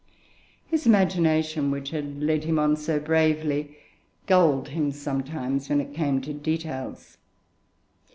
His imagination, which had led him on so bravely, gulled him sometimes when it came to details.